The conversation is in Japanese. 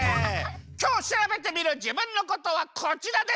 きょうしらべてみるじぶんのことはこちらです！